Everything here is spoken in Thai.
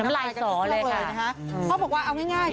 น้ำลายสอเลยค่ะเพราะบอกว่าเอาง่าย